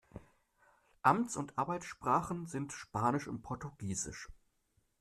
Amts- und Arbeitssprachen sind Spanisch und Portugiesisch.